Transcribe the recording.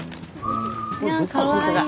いやんかわいい。